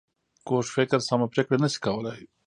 کوږ فکر سمه پرېکړه نه شي کولای